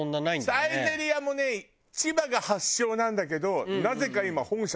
サイゼリヤもね千葉が発祥なんだけどなぜか今本社